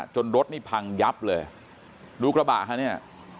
จนรถมิพังยับเลยรูกระบะฮะเนี่ย